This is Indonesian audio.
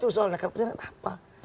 itu soalnya kepentingan apa